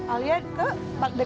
alia ke pak dek